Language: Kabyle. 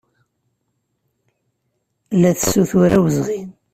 La tessutur awezɣi.